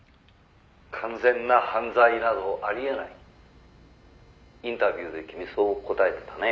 「完全な犯罪などあり得ない」「インタビューで君そう答えてたね」